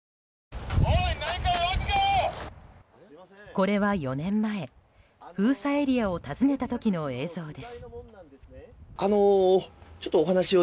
これは４年前、封鎖エリアを訪ねた時の映像です。